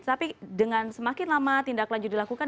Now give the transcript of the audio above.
tapi dengan semakin lama tindaklanjuti dilakukan